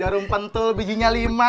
jorung pentul bijinya lima